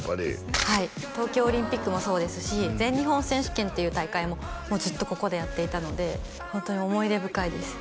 はい東京オリンピックもそうですし全日本選手権っていう大会ももうずっとここでやっていたのでホントに思い出深いです